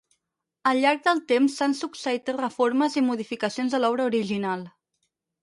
Al llarg del temps s'han succeït reformes i modificacions de l'obra original.